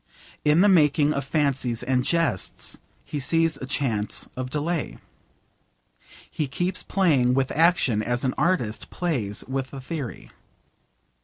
In the making of fancies and jests he sees a chance of delay. He keeps playing with action as an artist plays with a theory.